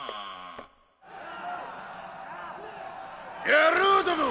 野郎ども！